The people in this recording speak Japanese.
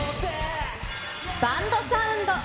バンドサウンド。